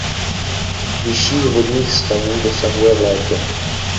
Vyšších vodních stavů dosahuje v létě.